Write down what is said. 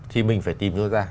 thì mình phải tìm nó ra